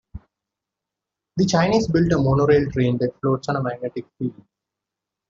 The Chinese built a monorail train that floats on a magnetic field.